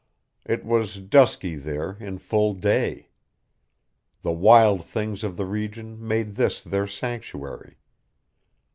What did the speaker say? It was dusky there in full day. The wild things of the region made this their sanctuary.